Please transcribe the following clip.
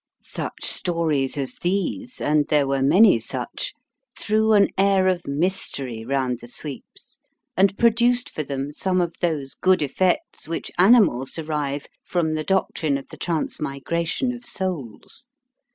Such stories as these, and there were many such, threw an air of mystery round the sweeps, and produced for them some of those good effects which animals derive from the doctrine of the transmigration of souls.